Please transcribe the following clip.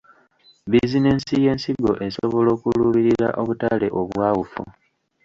Bizinensi y’ensigo esobola okuluubirira obutale obwawufu.